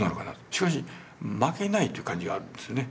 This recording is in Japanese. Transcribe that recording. しかし負けないという感じがあるんですよね。